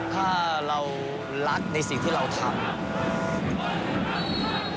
ถ้าเรารักในสิ่งที่เราทำ